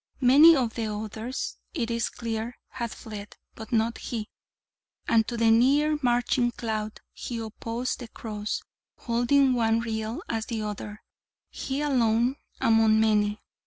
Many of the others, it is clear, had fled: but not he: and to the near marching cloud he opposed the Cross, holding one real as the other he alone among many.